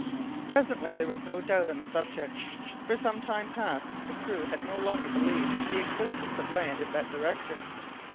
Presently, there was no doubt on the subject; for some time past the crew had no longer believed in the existence of land in that direction.